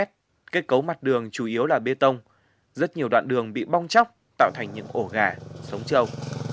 kết cấu mặt đường chủ yếu là bê tông rất nhiều đoạn đường bị bong chóc tạo thành những ổ gà sống trâu